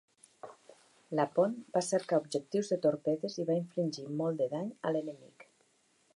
"Lapon" va cercar objectius de torpedes i va infligir molt de dany a l'enemic.